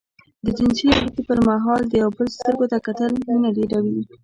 د جنسي اړيکې پر مهال د يو بل سترګو ته کتل مينه ډېروي.